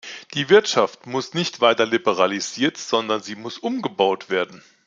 Die Wirtschaft muss nicht weiter liberalisiert, sondern sie muss umgebaut werden.